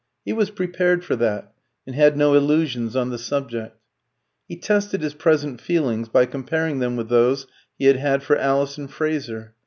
He was prepared for that, and had no illusions on the subject. He tested his present feelings by comparing them with those he had had for Alison Fraser.